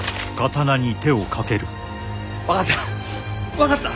分かった。